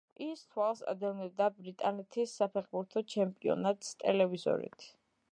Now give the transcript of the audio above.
ის თვალს ადევნებდა ბრიტანეთის საფეხბურთო ჩემპიონატს ტელევიზორით.